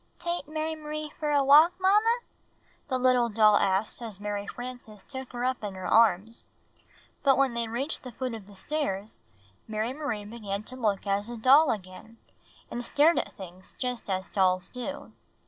"Tate Mary M'rie for a walk, IMamma?" the little doll asked as Mary Frances took her up in her arms; but when they reached the foot of the stairs, Mary Marie began to look like a doll again, and stared at things just as doUs do.